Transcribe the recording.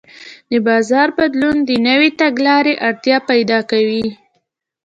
د بازار بدلون د نوې تګلارې اړتیا پیدا کوي.